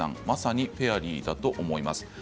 まさにフェアリーだと思います。